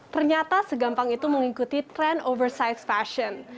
ternyata segampang itu mengikuti trend oversize fashion